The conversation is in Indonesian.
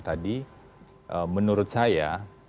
tadi menurut saya